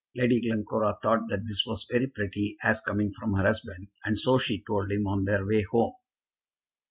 Lady Glencora thought that this was very pretty as coming from her husband, and so she told him on their way home.